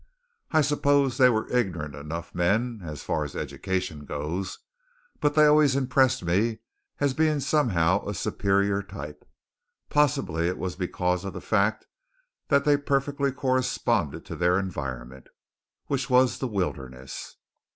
I suppose they were ignorant enough men, as far as education goes, but they always impressed me as being somehow a superior type. Possibly it was because of the fact that they perfectly corresponded to their environment, which was the wilderness.